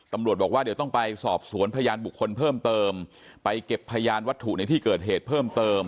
ตำรวจบอกว่าเดี๋ยวต้องไปสอบสวนพยานบุคคลเพิ่มเติมไปเก็บพยานวัตถุในที่เกิดเหตุเพิ่มเติม